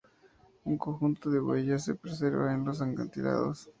Un conjunto de huellas se preserva en los acantilados.